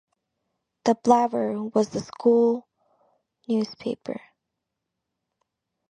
The Babbler was the school newspaper.